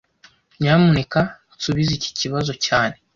Nyamuneka nsubize iki kibazo cyane